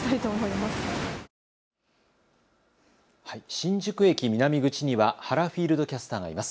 新宿駅南口には原フィールドキャスターがいます。